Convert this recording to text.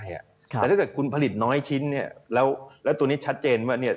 แต่ถ้าเกิดคุณผลิตน้อยชิ้นแล้วตัวนี้ชัดเจนว่า